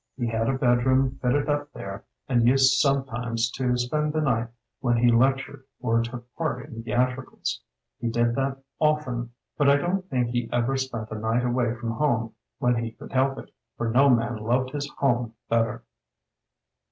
He had a bedroom fitted up there and used sometimes to spend the night when he lectured or took part in theatricals. He did that often, but I don't think he ever spent a night away from home when he could help it, for no man loved his home better.